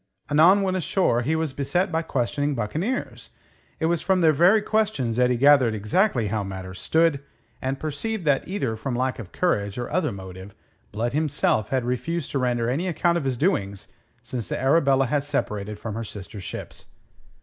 Anon when ashore he was beset by questioning buccaneers, it was from their very questions that he gathered exactly how matters stood, and perceived that either from lack of courage or other motive Blood, himself, had refused to render any account of his doings since the Arabella had separated from her sister ships.